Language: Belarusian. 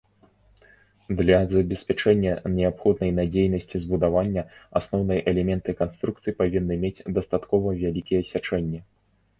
Для забеспячэння неабходнай надзейнасці збудаванні асноўныя элементы канструкцый павінны мець дастаткова вялікія сячэнні.